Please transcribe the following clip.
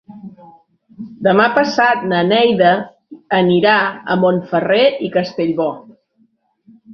Demà passat na Neida anirà a Montferrer i Castellbò.